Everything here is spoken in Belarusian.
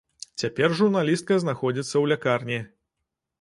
Цяпер журналістка знаходзіцца ў лякарні.